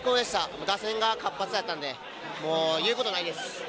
もう打線が活発やったんで、もう言うことないです。